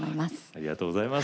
ありがとうございます。